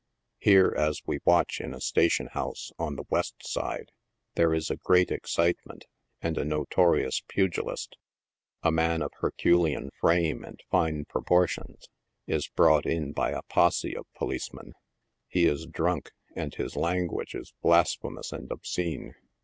Here, as we watch in a station house on the west side, there is a great excitement, and a notorious pugilist, a man of herculean frame and fine proportions, is brought in by a posse of policemen. He is drunk, and his language is blasphemous and obscene.